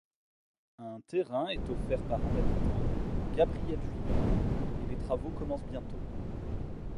Un terrain est offert par un habitant, Gabriel Juillant, et les travaux commencent bientôt.